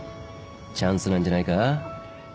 チャンスなんじゃないか？